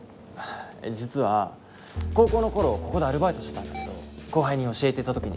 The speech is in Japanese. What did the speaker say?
実は高校の頃ここでアルバイトしてたんだけど後輩に教えてた時にさ。